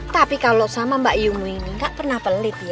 tapi kalau sama mbak yunu ini gak pernah pelit ya